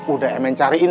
udah emen cariin